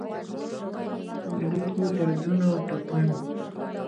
زړه کي دردونو اوټپونو،